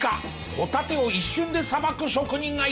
ホタテを一瞬でさばく職人がいた。